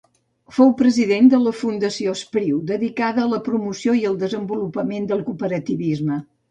Fou president de la Fundació Espriu, dedicada a la promoció i el desenvolupament del cooperativisme.